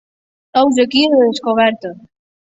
Heus aquí la descoberta.